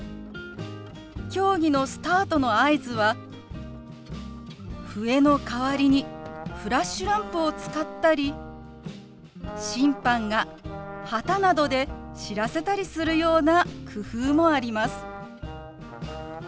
競技のスタートの合図は笛の代わりにフラッシュランプを使ったり審判が旗などで知らせたりするような工夫もあります。